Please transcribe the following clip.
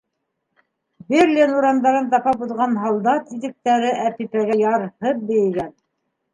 Берлин урамдарын тапап уҙған һалдат итектәре «Әпипә»гә ярһып бейегән.